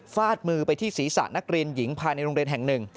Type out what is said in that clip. ฟาดมือไปที่ศีรษะนักเรียนหญิงภายในโรงเรียนแห่งหนึ่ง